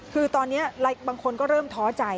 คือตอนนี้บางคนก็เริ่มท้อใจ